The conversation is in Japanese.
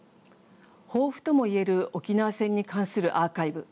豊富とも言える沖縄戦に関するアーカイブ。